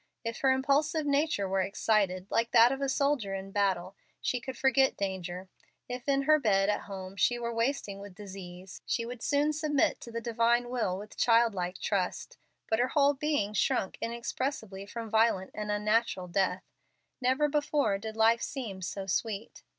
If her impulsive nature were excited, like that of a soldier in battle, she could forget danger. If in her bed at home she were wasting with disease, she would soon submit to the Divine will with childlike trust. But her whole being shrunk inexpressibly from violent and unnatural death. Never before did life seem so sweet.